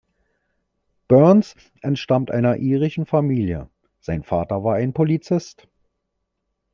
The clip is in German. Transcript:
Burns entstammt einer irischen Familie, sein Vater war ein Polizist.